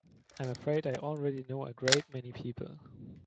I'm afraid I already know a great many people.